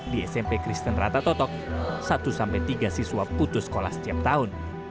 di smp kristen rata totok satu sampai tiga siswa putus sekolah setiap tahun